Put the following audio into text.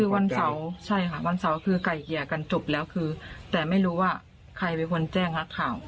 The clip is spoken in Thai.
วันเสาร์แค่จบแล้วแต่ไม่รู้ว่าใครไปก่อนแจ้งหักข่าว